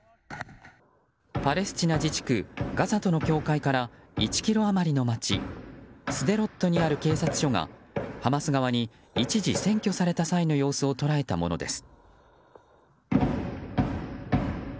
パレスチナ自治区ガザとの境界から１ｋｍ余りの町スデロットにある警察署がハマス側に一時占拠された際の様子を捉えたものです。